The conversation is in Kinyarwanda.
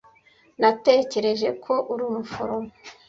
Natekereje ko uri umuforomo.